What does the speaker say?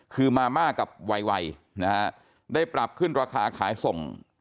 คือมาม่ากับวัยนะฮะได้ปรับขึ้นราคาขายส่ง